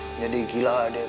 menjadi gila dia neng